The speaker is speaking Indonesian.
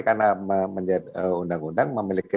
karena undang undang memiliki